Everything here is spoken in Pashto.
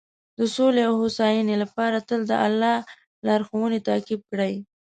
د سولې او هوساینې لپاره تل د الله لارښوونې تعقیب کړئ.